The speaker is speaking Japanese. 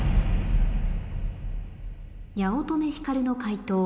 八乙女光の解答